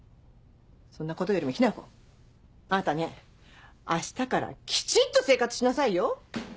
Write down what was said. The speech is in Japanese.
そんなことよりも雛子あなたね明日からきちんと生活しなさいよ！